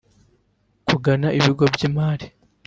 kugana ibigo by’imari